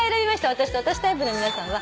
私と私タイプの皆さんは。